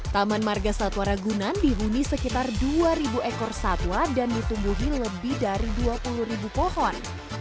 taman marga satwa ragunan dihuni sekitar dua ekor satwa dan ditumbuhi lebih dari dua puluh ribu pohon